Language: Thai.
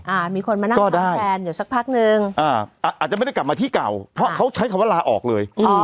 อ่ามีคนมานั่งรอแฟนอยู่สักพักนึงอ่าอาจจะไม่ได้กลับมาที่เก่าเพราะเขาใช้คำว่าลาออกเลยอ่า